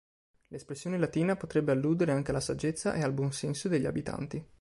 L'espressione latina potrebbe alludere anche alla saggezza e al buon senso degli abitanti.